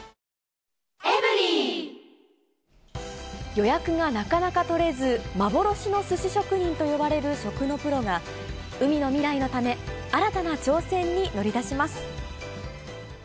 予約がなかなか取れず、幻のすし職人と呼ばれる食のプロが、海の未来のため、新たな挑戦に乗り出します。